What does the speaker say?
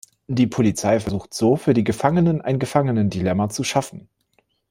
Die Polizei versucht so, für die Gefangenen ein Gefangenendilemma zu schaffen.